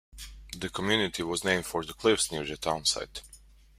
The community was named for the cliffs near the town site.